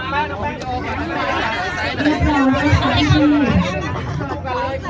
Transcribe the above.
แม่กับผู้วิทยาลัย